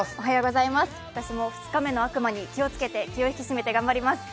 私も２日目の悪魔に気をつけて気を引き締めて頑張ります。